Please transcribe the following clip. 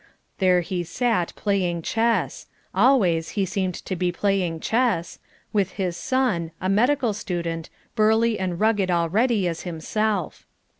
There he sat playing chess always he seemed to be playing chess with his son, a medical student, burly and rugged already as himself.